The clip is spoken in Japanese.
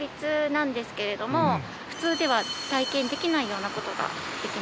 普通では体験できないような事ができます。